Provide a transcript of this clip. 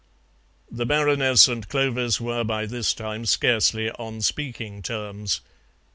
The Baroness and Clovis were by this time scarcely on speaking terms.